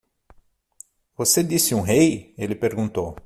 "Você disse um rei?" ele perguntou.